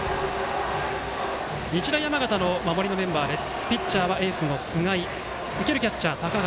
日大山形の守りのメンバーです。